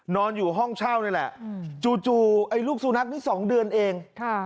นอนอยู่ห้องเช่านี่แหละจู่ไอ้ลูกสุนัขนี้๒เดือนเอง